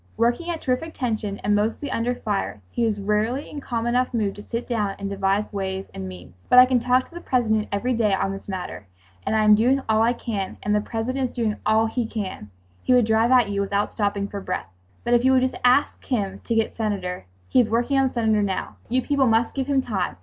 Working at terrific tension and mostly under fire, he was rarely in calm enough mood to sit down and devise ways and means. "But I talk to the President every day on this matter"—and—"I am doing all I can"—and—"The President is doing all he can"—he would drive at you—without stopping for breath. "But if you will just ask him to get Senator ——" "He is working on the Senator now. You people must give him time.